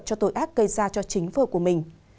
cho tội ác gây ra cho chính vợ của mình